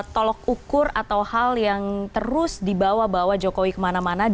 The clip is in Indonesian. tolok ukur atau hal yang terus dibawa bawa jokowi kemana mana